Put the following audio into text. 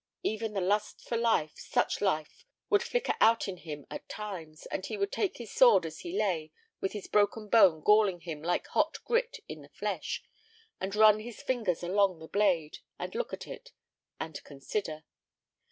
Even the lust for life, such life, would flicker out in him at times, and he would take his sword as he lay with the broken bone galling him like hot grit in the flesh, and run his fingers along the blade, and look at it, and consider.